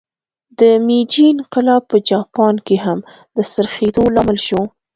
د میجي انقلاب په جاپان کې هم د څرخېدو لامل شو.